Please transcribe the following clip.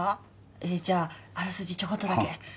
ええじゃああらすじちょこっとだけ。